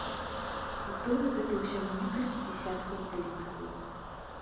І тое, гэта ўсяго некалькі дзясяткаў палітыкаў.